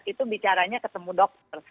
itu bicaranya ketemu dokter